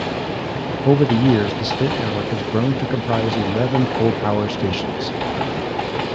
Over the years, the state network has grown to comprise eleven full-power stations.